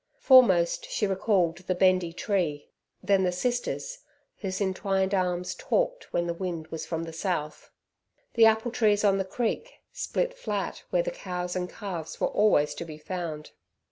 Foremost she recalled the "Bendy Tree", then the "Sisters", whose entwined arms talked, when the wind was from the south. The apple trees on the creek split flat, where the cows and calves were always to be found.